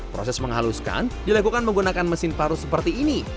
proses menghaluskan dilakukan menggunakan mesin paru seperti ini